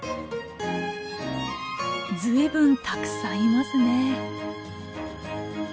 随分たくさんいますね。